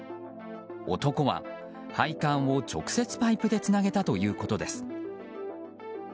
男は、配管を直接パイプでつなげたということです。